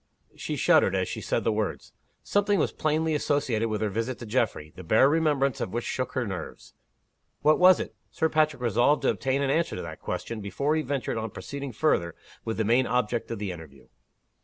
She shuddered as she said the words. Something was plainly associated with her visit to Geoffrey, the bare remembrance of which shook her nerves. What was it? Sir Patrick resolved to obtain an answer to that question, before he ventured on proceeding further with the main object of the interview.